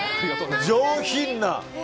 上品な。